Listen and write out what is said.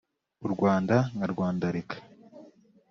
u rwanda nkarwandarika